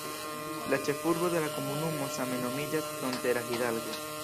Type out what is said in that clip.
La ĉefurbo de la komunumo same nomiĝas Frontera Hidalgo.